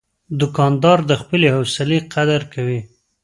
دوکاندار د خپلې حوصلې قدر کوي.